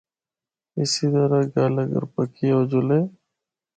اس طرح گل اگر پکی ہو جُلے۔